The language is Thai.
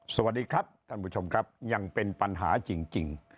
สวัสดีครับท่านผู้ชมครับยังเป็นปัญหาจริง